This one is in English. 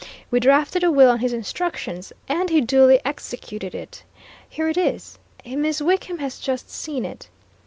We drafted a will on his instructions, and he duly executed it. Here it is! Miss Wickham has just seen it.